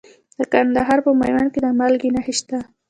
د کندهار په میوند کې د مالګې نښې شته.